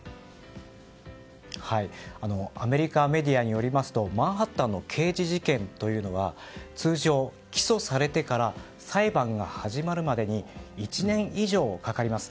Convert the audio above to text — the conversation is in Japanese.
アメリカメディアによりますとマンハッタンの刑事事件というのは通常、起訴されてから裁判が始まるまでに１年以上かかります。